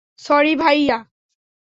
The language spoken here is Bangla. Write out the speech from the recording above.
সরি, ভাইয়া।